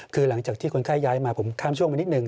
คือหลังจากที่คนไข้ย้ายมาผมข้ามช่วงไปนิดนึ